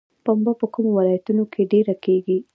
پنبه په کومو ولایتونو کې ډیره کیږي؟